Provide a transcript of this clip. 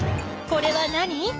これは何？